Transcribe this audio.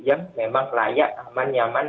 yang memang layak aman nyaman